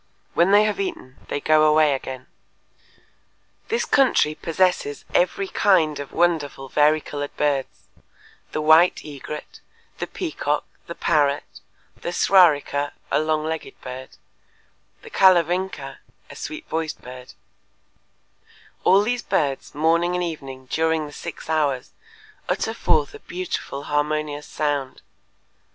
When they have eaten they go away again." "This country possesses every kind of wonderful varicolored birds, the white egret, the peacock, the parrot, the s'rarika (a long legged bird), the Kalavingka (a sweet voiced bird) … All these birds, morning and evening during the six hours, utter forth a beautiful harmonious sound.